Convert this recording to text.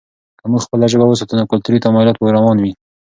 که موږ خپله ژبه وساتو، نو کلتوري تمایلات به روان وي.